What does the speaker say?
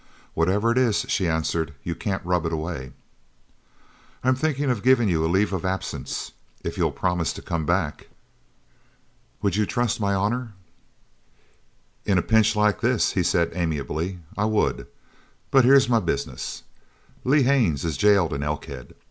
"Whatever it is," she answered, "you can't rub it away." "I'm thinkin' of givin' you a leave of absence if you'll promise to come back." "Would you trust my honour?" "In a pinch like this," he said amiably, "I would. But here's my business. Lee Haines is jailed in Elkhead.